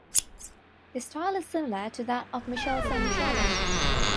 The style is similar to that of Michele Sanmicheli.